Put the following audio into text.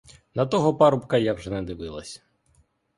На того парубка я вже не дивилась.